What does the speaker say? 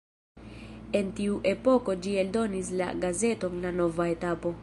En tiu epoko ĝi eldonis la gazeton La Nova Etapo.